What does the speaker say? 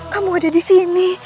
kamu ada disini